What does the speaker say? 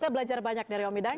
saya belajar banyak dari om idang